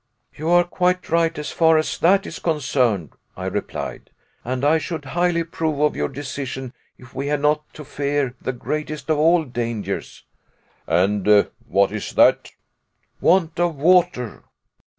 "You are quite right as far as that is concerned," I replied, "and I should highly approve of your decision, if we had not to fear the greatest of all dangers." "And what is that?" "Want of water."